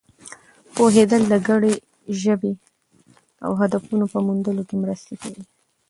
پوهېدل د ګډې ژبې او هدفونو په موندلو کې مرسته کوي.